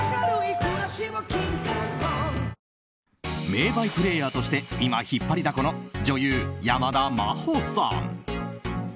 名バイプレーヤーとして今、引っ張りだこの女優・山田真歩さん。